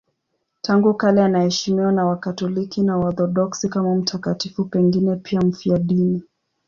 Tangu kale anaheshimiwa na Wakatoliki na Waorthodoksi kama mtakatifu, pengine pia mfiadini.